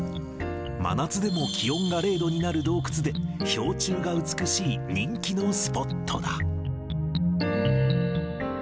真夏でも気温が０度になる洞窟で、氷柱が美しい人気のスポットだ。